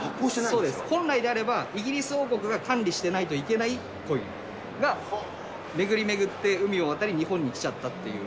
そうです、本来であれば、イギリス王国が管理してないといけないコインが、巡り巡って、海を渡り日本に来ちゃったっていう。